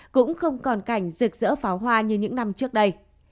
cũng không còn cảnh rực rỡ pháo hoa như những năm trước đây